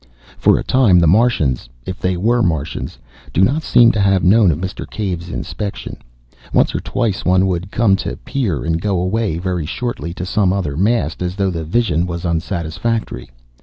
For a time the Martians if they were Martians do not seem to have known of Mr. Cave's inspection. Once or twice one would come to peer, and go away very shortly to some other mast, as though the vision was unsatisfactory.